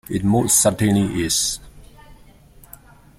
It most certainly is.